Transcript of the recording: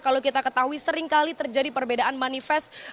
kalau kita ketahui seringkali terjadi perbedaan manifest